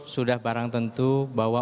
sudah barang tentu bahwa